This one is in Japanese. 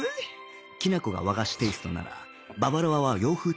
きなこが和菓子テイストならババロアは洋風テイスト